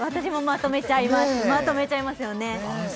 まとめちゃいますよね